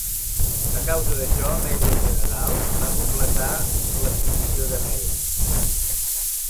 A causa d'això, Media General va completar l'adquisició de Meredith.